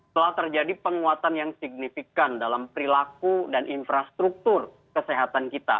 telah terjadi penguatan yang signifikan dalam perilaku dan infrastruktur kesehatan kita